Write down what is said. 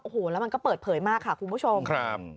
โอ้โหแล้วมันก็เปิดเผยมากค่ะคุณผู้ชมครับ